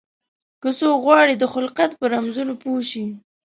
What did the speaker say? که څوک غواړي د خلقت په رمزونو پوه شي.